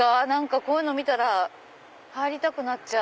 こういうの見たら入りたくなっちゃう。